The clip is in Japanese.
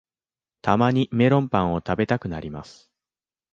たまにメロンパンを食べたくなります